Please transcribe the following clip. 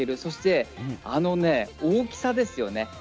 そしてあのね大きさですよね。